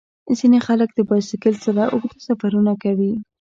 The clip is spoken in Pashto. ځینې خلک د بایسکل سره اوږده سفرونه کوي.